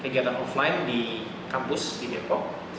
kegiatan offline di kampus di depok